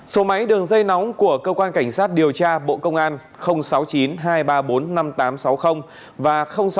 số máy đường dây nóng của cơ quan cảnh sát điều tra bộ công an sáu mươi chín hai trăm ba mươi bốn năm nghìn tám trăm sáu mươi và sáu mươi chín hai trăm ba mươi một một nghìn sáu trăm